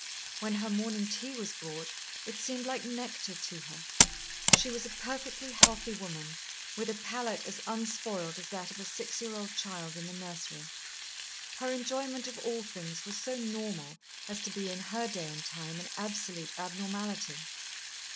When her morning tea was brought, it seemed like nectar to her. She was a perfectly healthy woman, with a palate as unspoiled as that of a six year old child in the nursery. Her enjoyment of all things was so normal as to be in her day and time an absolute abnormality.